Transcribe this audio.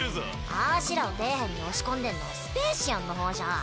あしらを底辺に押し込んでんのはスペーシアンの方じゃん。